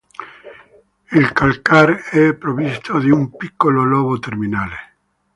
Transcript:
Il calcar è provvisto di un piccolo lobo terminale.